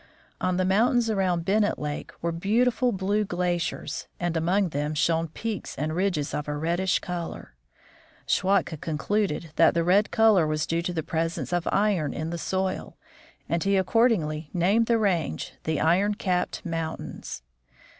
On the moun tains around Bennett lake were beautiful blue glaciers, Crossing the Coast Range. and among them shone peaks and ridges of a reddish color. Schwatka concluded that the red color was due to the presence of iron in the soil, and he accordingly named the range the Iron capped mountains.